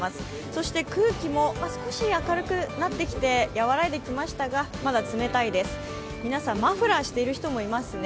そして空気も少し明るくなってきて和らいできましたがまだ冷たいです、皆さん、マフラーしている人もいますね。